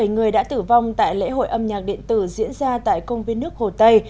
bảy người đã tử vong tại lễ hội âm nhạc điện tử diễn ra tại công viên nước hồ tây